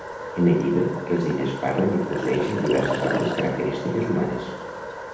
En el llibre, els diners parlen i posseeixen diverses altres característiques humanes.